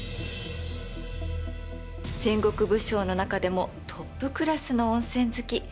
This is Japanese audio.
戦国武将の中でもトップクラスの温泉好き武田信玄です。